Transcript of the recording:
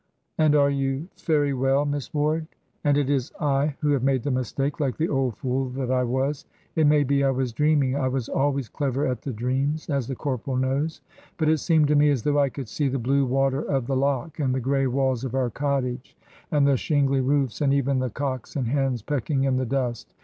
"And are you ferry well, Miss Ward? And it is I who have made the mistake, like the old fool that I was. It may be I was dreaming I was always clever at the dreams, as the corporal knows. But it seemed to me as though I could see the blue water of the loch, and the grey walls of our cottage, and the shingly roofs, and even the cocks and hens pecking in the dust.